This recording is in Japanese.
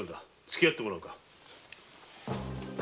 つきあってもらおうか。